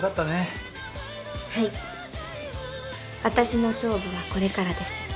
私の勝負はこれからです。